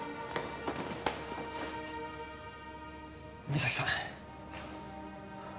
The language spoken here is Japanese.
三咲さん